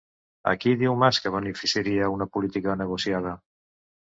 A qui diu Mas que beneficiaria una política negociada?